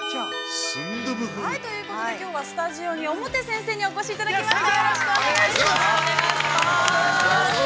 ◆ということできょうはスタジオに表先生にお越しいただきました。